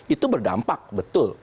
itu berdampak betul